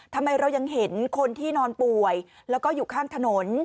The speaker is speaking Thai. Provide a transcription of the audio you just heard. ทำไมเรายังเห็นคนที่นอนป่วยแล้วก็อยู่ข้างถนน